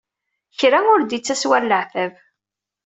Kra ur d-ittas war leɛtab.